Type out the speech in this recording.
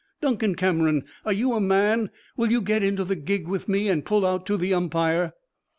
Duncan Cameron, are you a man? Will you get into the gig with me and pull out to the Umpire?"